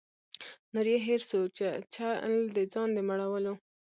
نور یې هېر سو چل د ځان د مړولو